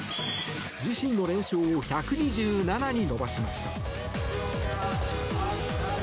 自身の連勝を１２７に伸ばしました。